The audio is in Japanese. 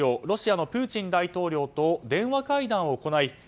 ロシアのプーチン大統領と電話会談を行い